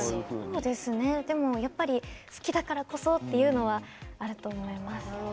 やっぱり好きだからこそっていうのはあると思います。